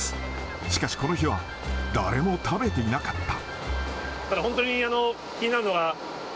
しかしこの日は、誰も食べていなかった。